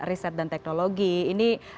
riset dan teknologi ini